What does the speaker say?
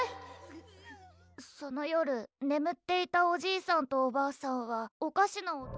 「その夜ねむっていたおじいさんとおばあさんはおかしな音」。